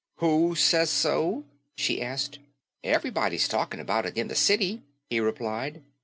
"WHO says so?" she asked. "Ev'rybody's talking about it in the City," he replied.